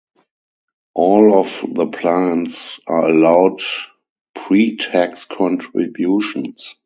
All of the plans are allowed pre-tax contributions.